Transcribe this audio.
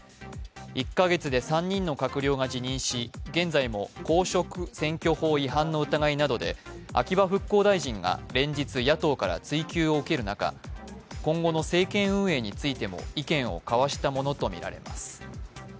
１か月で３人の閣僚が辞任し現在も公職選挙法違反の疑いなどで秋葉復興大臣が連日野党から追及を受ける中今後の政権運営についても意見を交わしたものとみられます。